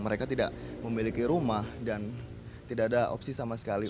mereka tidak memiliki rumah dan tidak ada opsi sama sekali